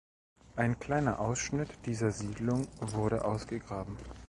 Ein kleiner Ausschnitt dieser Siedlung wurde ausgegraben.